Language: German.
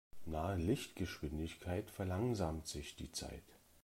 Nahe Lichtgeschwindigkeit verlangsamt sich die Zeit.